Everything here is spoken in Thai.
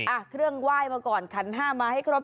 อ่ะเครื่องไหว้มาก่อนขันห้ามาให้ครบ